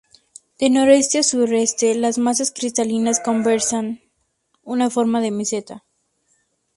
De noroeste a suroeste, las masas cristalinas conservan una forma de meseta.